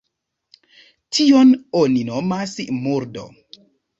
Tion oni nomas murdo.